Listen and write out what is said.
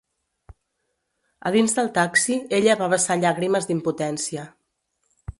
A dins del taxi, ella va vessar llàgrimes d'impotència.